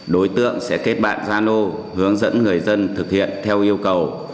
đối tượng sẽ kết bạn zalo hướng dẫn người dân thực hiện theo yêu cầu